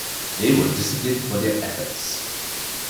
They were disciplined for their efforts.